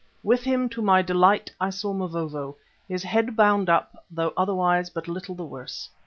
With him, to my delight, I saw Mavovo, his head bound up, though otherwise but little the worse.